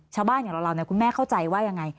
อย่างเราคุณแม่เข้าใจว่ายังไง